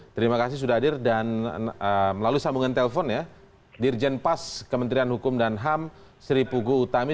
terima kasih sudah hadir dan melalui sambungan telpon ya dirjen pas kementerian hukum dan ham sri pugu utami